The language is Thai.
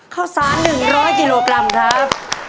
ข้าวสาร๑๐๐กิโลกรัมครับ